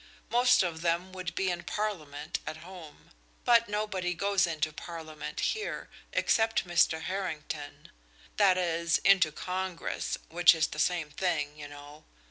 Most of them would be in Parliament at home; but nobody goes into Parliament here, except Mr. Harrington that is, into Congress, which is the same thing, you know.